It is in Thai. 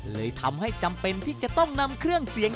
เลยทำให้จำเป็นที่จะต้องนำเครื่องเสียง